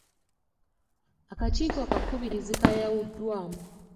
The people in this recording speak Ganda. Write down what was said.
Akakiiko akakubirizi kaayawuddwamu.